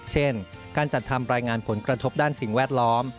เช่นการจัดทำรายงานผลกระทบด้านสิ่งแวดล้อม